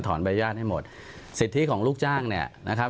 ใบญาติให้หมดสิทธิของลูกจ้างเนี่ยนะครับ